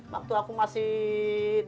waktu aku masih